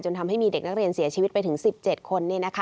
ทำให้มีเด็กนักเรียนเสียชีวิตไปถึง๑๗คน